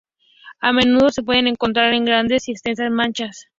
A menudo se pueden encontrar en grandes y extensas manchas.